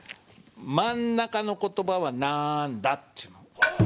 真ん中の言葉はなんだ？という。